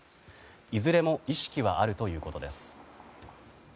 いずれも意識はあるということです。